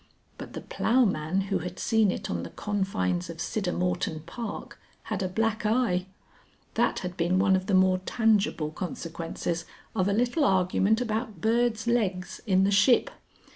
But the ploughman who had seen it on the confines of Siddermorton Park had a black eye. That had been one of the more tangible consequences of a little argument about birds' legs in the "Ship."